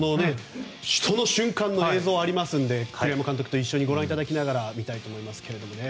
その瞬間の映像がありますので栗山監督と一緒に見たいと思います。